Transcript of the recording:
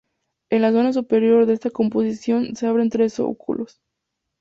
En la zona superior de esta composición se abren tres óculos.